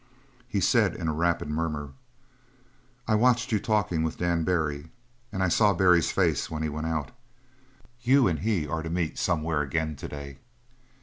He said in a rapid murmur: "I watched you talking with Dan Barry and I saw Barry's face when he went out. You and he are to meet somewhere again to day.